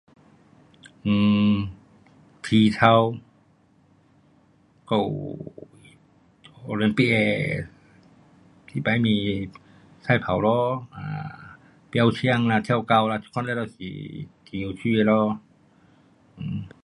um 体操还有 Olympic 的一百米赛跑咯，um 标枪啦，跳高啦，这款全部是很有趣的咯 um